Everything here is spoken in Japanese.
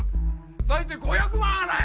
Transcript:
最低５００万払え！